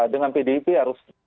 dengan pdip harus